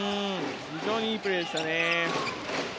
非常にいいプレーでしたね。